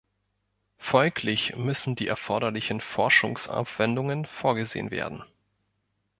Folglich müssen die erforderlichen Forschungsaufwendungen vorgesehen werden.